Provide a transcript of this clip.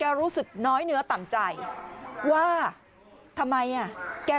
ไม่รู้อะไรกับใคร